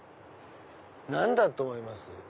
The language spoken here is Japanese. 何だと思います？